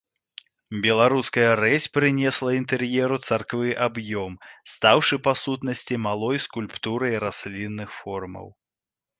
Беларуская рэзь прынесла інтэр'еру царквы аб'ём, стаўшы, па сутнасці, малой скульптурай раслінных формаў.